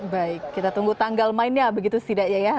baik kita tunggu tanggal mainnya begitu sih